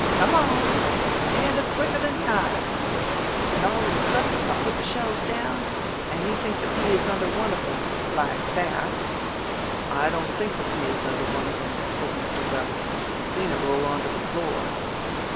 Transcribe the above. Come on! The hand is quicker than the eye!' And all of a suddent I put the shells down, and you think the pea is under one of them, like that " "I don't think the pea is under one of 'em," said Mr. Gubb. "I seen it roll onto the floor."